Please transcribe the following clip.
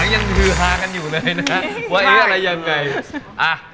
งั้นครอบนี้ไปได้ขอโทษนะครับ